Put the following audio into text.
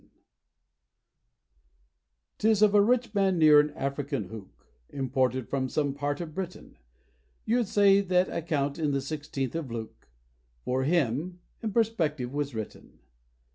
_ 'Tis of a rich man near an African hoek, Imported from some part of Britain; You'd say that account in the sixteenth of Luke For him, in perspective, was written.